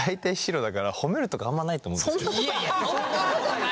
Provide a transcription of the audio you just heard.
いやいやそんなことないよ。